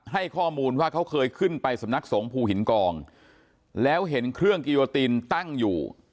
ให้ข้อมูลว่าเขาเคยขึ้นไปสำนักสงภูหินกองแล้วเห็นเครื่องกิโยตินตั้งอยู่